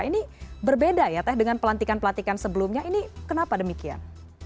ini berbeda ya teh dengan pelantikan pelantikan sebelumnya ini kenapa demikian